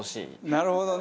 なるほどね！